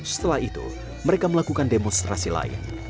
setelah itu mereka melakukan demonstrasi lain